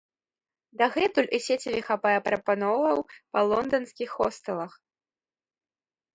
Дагэтуль у сеціве хапае прапановаў па лонданскіх хостэлах.